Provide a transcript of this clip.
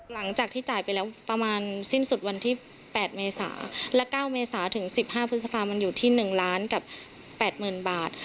หลังจากที่จ่ายไปแล้วประมาณสิ้นสุดวันที่๘เมษาและ๙เมษาถึง๑๕พฤษภามันอยู่ที่๑ล้านกับ๘๐๐๐บาท